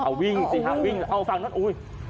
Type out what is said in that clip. เอาฟังนั่นอุ๊ย